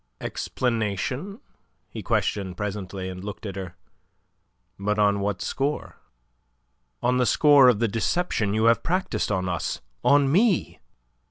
"Explanation?" he questioned presently, and looked at her. "But on what score?" "On the score of the deception you have practised on us on me."